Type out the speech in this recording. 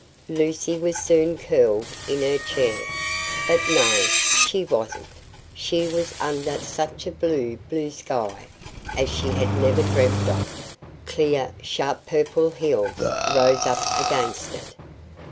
Lucy was soon curled in her chair; but no, she wasn't! she was under such a blue, blue sky, as she had never dreamt of: clear sharp purple hills rose up against it.